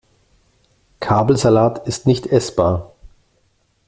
Kabelsalat ist nicht essbar.